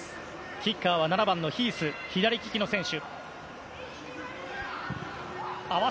キッカーは７番のヒース左利きの選手。